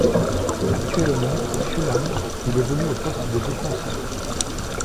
Actuellement au Fulham, il évolue au poste de défenseur.